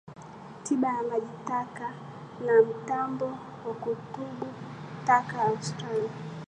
Tiba ya maji taka na mtambo wa kutibu taka Australia